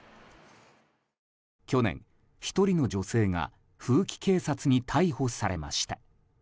去年、１人の女性が風紀警察に逮捕されました。